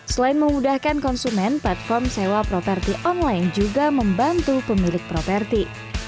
selain memudahkan konsumen platform sewa properti online juga membantu pemilik properti